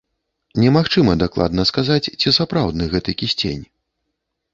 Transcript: Немагчыма дакладна сказаць, ці сапраўдны гэты кісцень.